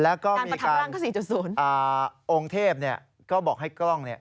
แล้วก็มีการองค์เทพเนี่ย